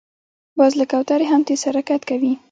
باز له کوترې هم تېز حرکت کوي